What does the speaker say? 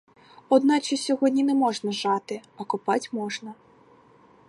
Одначе сьогодні не можна жати, а копать можна.